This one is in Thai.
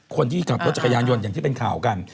คนที่ขับรถจักรยานยนต์อย่างที่เป็นข่าวกัน